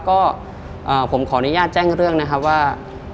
ก็ผมขออนุญาตแจ้งเรื่องนะครับว่า